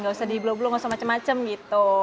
gak usah di blow blow gak usah macem macem gitu